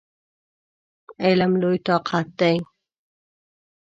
علم لوی طاقت دی!